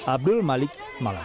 abdul malik malam